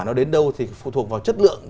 nó đến đâu thì phụ thuộc vào chất lượng